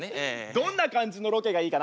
どんな感じのロケがいいかな？